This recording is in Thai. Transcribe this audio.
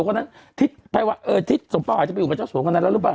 คนนั้นทิศไปว่าเออทิศส่งป้ออาจจะไปอยู่กับเจ้าสัวคนนั้นแล้วหรือเปล่า